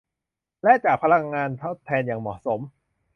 และจากพลังงานทดแทนอย่างเหมาะสม